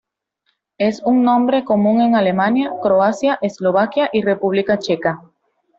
Es un nombre común en Alemania, Croacia, Eslovaquia y República Checa.